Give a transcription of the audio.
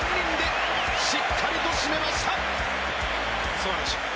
素晴らしい。